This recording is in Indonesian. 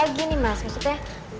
gini mas maksudnya